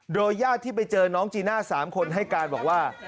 โดยญาติที่ไปเจอน้องจีน่า๓คนให้การบอกว่า